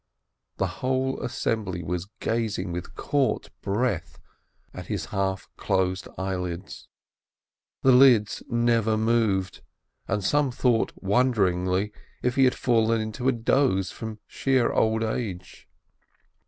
The whole assembly was gazing with caught breath at his half closed eyelids. The lids never moved, and some thought wonderingly that he had fallen into a doze from sheer old age.